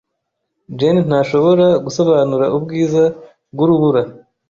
Jane ntashobora gusobanura ubwiza bwurubura.